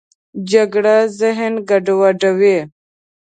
جګړه ذهن ګډوډوي